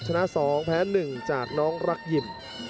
ชนะ๒แพ้๑จากน้องรักยิม